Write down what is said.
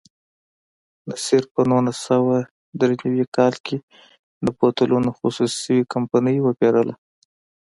نصیر په نولس سوه درې نوي کال کې د بوتلونو خصوصي شوې کمپنۍ وپېرله.